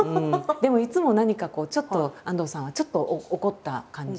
でもいつも何かこうちょっと安藤さんはちょっと怒った感じ